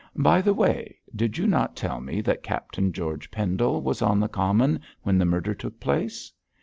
'By the way, did you not tell me that Captain George Pendle was on the common when the murder took place?'